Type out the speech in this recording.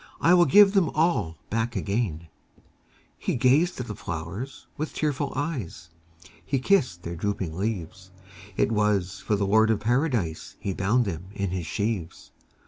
I will give them all back again. THE REAPER AND THE FLOWERS. He gazed at the flowers with tearful eyes, He kissed their drooping leaves ; It was for the Lord of Paradise He bound them in his sheaves.